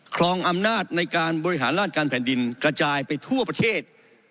ครองอำนาจในการบริหารราชการแผ่นดินกระจายไปทั่วประเทศ